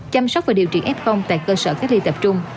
chăm sóc và điều trị f tại cơ sở cách ly tập trung